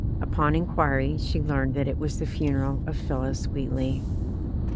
Upon inquiry she learned that it was the funeral of Phillis Wheatley.